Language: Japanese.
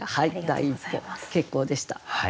第一歩結構でした。